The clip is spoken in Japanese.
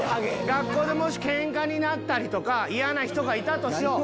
学校でもしケンカになったり嫌な人がいたとしよう。